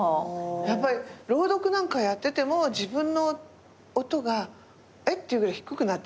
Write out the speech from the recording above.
やっぱり朗読なんかやってても自分の音がえっ？っていうぐらい低くなってて。